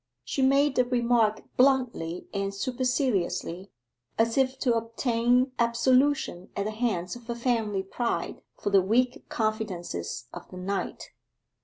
She made the remark bluntly and superciliously, as if to obtain absolution at the hands of her family pride for the weak confidences of the night.